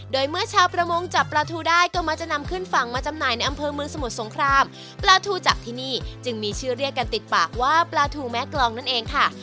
โดยเมื่อชาวประมงจับปลาทูได้ก็มักจะนำขึ้นฝั่งมาจำหน่ายในอำเภอเมืองสมุทรสงครามปลาทูจากที่นี่จึงมีชื่อเรียกกันติดปากว่าปลาทูแม่กลองนั่นเองค่ะ